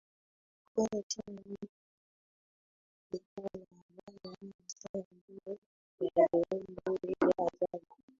Kwenye nchi nyingi duniani kulikuwa na habari nyingi Sana juu ya viumbe vya ajabu